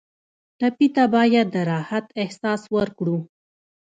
ټپي ته باید د راحت احساس ورکړو.